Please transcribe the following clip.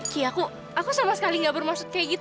ki aku sama sekali gak bermaksud kayak gitu